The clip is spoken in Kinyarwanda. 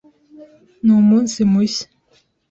Numunsi mushya.